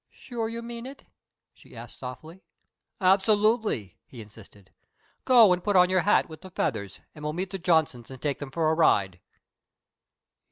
"Sure you mean it?" she asked softly. "Absolutely!" he insisted. "Go and put on your hat with the feathers and we'll meet the Johnsons and take them for a ride."